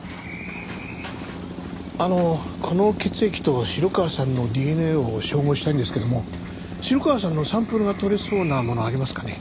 あのこの血液と城川さんのＤＮＡを照合したいんですけども城川さんのサンプルが採れそうなものありますかね？